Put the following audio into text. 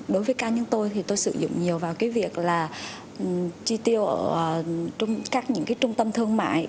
đối với cá nhân tôi thì tôi sử dụng nhiều vào cái việc là chi tiêu ở các những cái trung tâm thương mại